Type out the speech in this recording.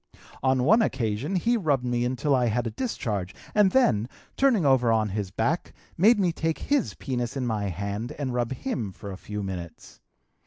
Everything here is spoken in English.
On one occasion he rubbed me until I had a discharge and then, turning over on his back, made me take his penis in my hand and rub him for a few minutes.